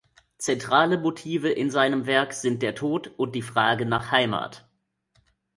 Zentrale Motive in seinem Werk sind der Tod und die Frage nach Heimat.